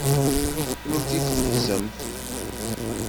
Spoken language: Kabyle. Kennemti tqefzemt.